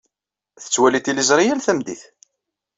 Tettwali tiliẓri yal tameddit.